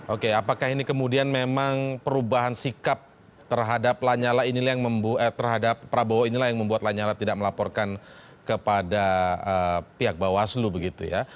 oke apakah ini kemudian memang perubahan sikap terhadap lanyala terhadap prabowo inilah yang membuat lanyala tidak melaporkan kepada pihak bawaslu begitu ya